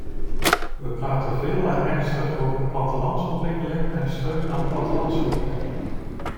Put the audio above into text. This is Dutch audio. We praten veel en ernstig over plattelandsontwikkeling en steun aan plattelandsgebieden.